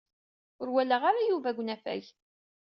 Ur walaɣ ara Yuba deg unafag.